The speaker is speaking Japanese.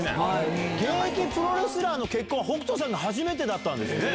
現役プロレスラーの結婚、北斗さんが初めてだったんですね。